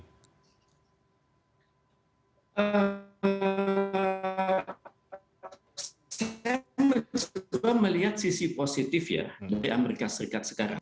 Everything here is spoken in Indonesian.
kita coba melihat sisi positif dari amerika serikat sekarang